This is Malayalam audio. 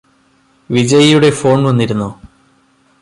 വിജയിയുടെ ഫോണ് വന്നിരുന്നോ